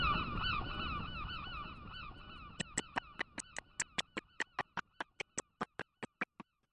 Using weapons, especially the taiaha, takes a lot of maneuvering.